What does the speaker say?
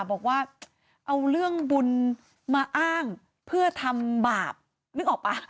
บอกว่าเอาเรื่องบุญมาอ้างเพื่อทำบาปนึกออกป่ะ